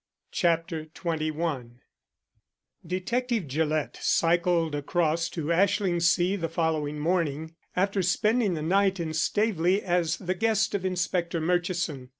CHAPTER XXI DETECTIVE GILLETT cycled across to Ashlingsea the following morning, after spending the night in Staveley as the guest of Inspector Murchison.